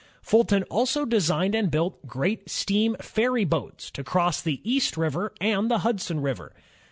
Fulton also designed and built great steam ferry boats to cross the East River and the Hudson River.